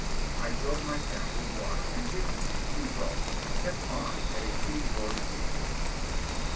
I filled my cap with water, and taking a few gulps kept on at a two forty gait.